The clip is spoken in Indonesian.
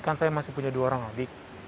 kan saya masih punya dua orang adik